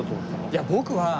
いや僕は。